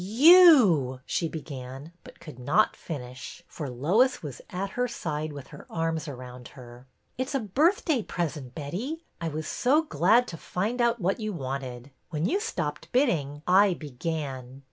"You —" she began, but could not finish, for Lois was at her side with her arms around her. " It 's a birthday present, Betty. I was so glad to find out what you wanted. When you stopped bidding, I began."